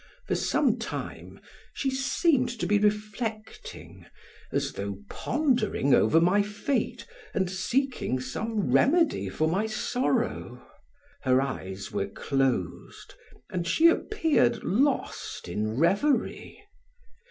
For some time she seemed to be reflecting, as though pondering over my fate and seeking some remedy for my sorrow. Her eyes were closed and she appeared lost in reverie.